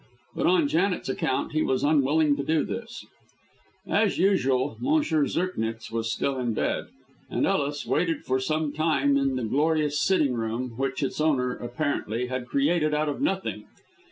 But on Janet's account he was unwilling to do this. As usual, M. Zirknitz was still in bed, and Ellis waited for some time in the gorgeous sitting room, which its owner apparently had created out of nothing.